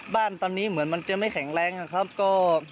บ้านตอนนี้เหมือนมันจะไม่แข็งแรงนะครับ